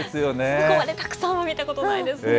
そこまでたくさんは見たことないですね。